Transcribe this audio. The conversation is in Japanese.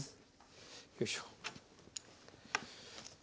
よいしょ。